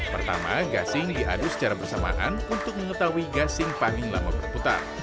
pertama gasing diaduk secara bersamaan untuk mengetahui gasing paling lama berputar